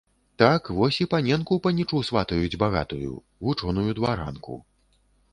Так, вось і паненку панічу сватаюць багатую, вучоную дваранку.